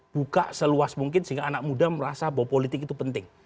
buka seluas mungkin sehingga anak muda merasa bahwa politik itu penting